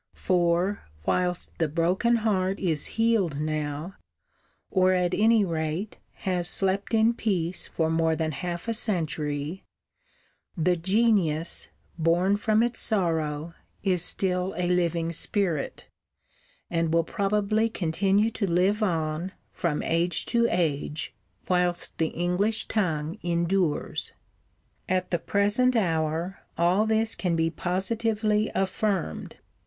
For, whilst the broken heart is healed now, or, at any rate, has slept in peace for more than half a century, the genius, born from its sorrow, is still a living spirit; and will probably continue to live on, from age to age, whilst the English tongue endures. At the present hour all this can be positively affirmed.